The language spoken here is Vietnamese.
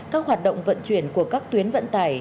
các hoạt động vận chuyển của các tuyến vận tải